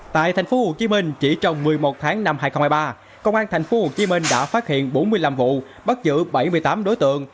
tại tp hcm chỉ trong một mươi một tháng năm hai nghìn hai mươi ba công an tp hcm đã phát hiện bốn mươi năm vụ bắt giữ bảy mươi tám đối tượng